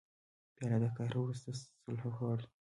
پیاله د قهر وروسته صلح غواړي.